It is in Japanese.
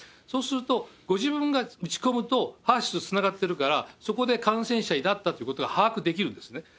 そうすると、ご自分が打ち込むと、ＨＥＲ−ＳＹＳとつながってるから、そこで感染者になったということが把握できるんですね。